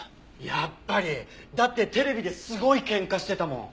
やっぱり！だってテレビですごい喧嘩してたもん。